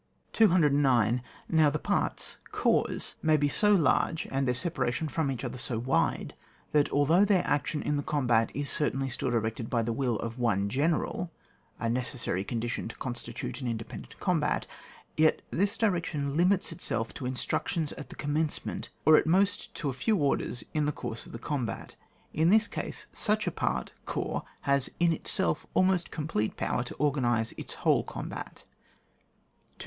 209. Now the parts (corps) may be so large, and their separation from each other so wide, that although their action in the combat is certainly still directed by the will of one Oeneral (a necessary condition to constitute an independent combat), yet this direction limits itself to instructions at the commencement, or at most to a few orders in the course of the combat ; in this case, such a part (corps) has in itself almost complete power to organise its whole combat. 210.